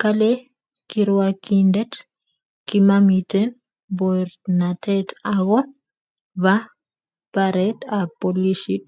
kale kirwakindet kimamiten baornatet ako ba baret ab polishit